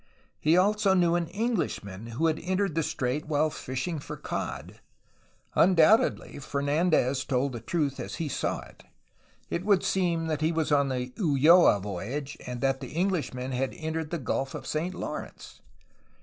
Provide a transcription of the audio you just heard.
He also knew an Englishman who had entered the strait while fishing for cod. Undoubtedly, Fernd, ndez told the truth as he saw it; it would seem that he was on the UUoa voyage, and that the Enghshman had entered the Gulf of St. Lawrence.